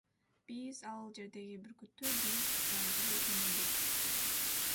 Биз ал жердеги бүркүттү бийик жерге кондурдук.